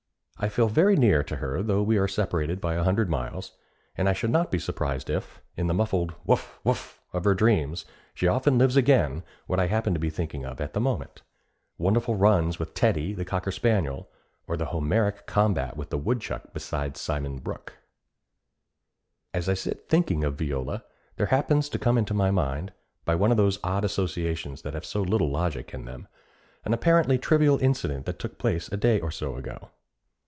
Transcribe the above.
I feel very near her though we are separated by a hundred miles; and I should not be surprised if, in the muffled 'Woof! Woof!' of her dreams, she often lives again what I happen to be thinking of at the moment wonderful runs with Teddy, the cocker spaniel, or the homeric combat with the woodchuck beside Simon Brook. As I sit thinking of Viola, there happens to come into my mind, by one of those odd associations that have so little logic in them, an apparently trivial incident that took place a day or so ago.